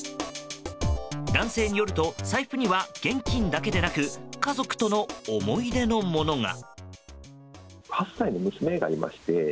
男性によると財布には現金だけでなく家族との思い出のものが。